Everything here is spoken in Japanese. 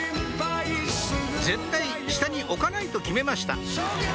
絶対下に置かないと決めました